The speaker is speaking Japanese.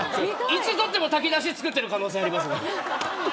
いつ撮っても炊き出し作ってる可能性あります。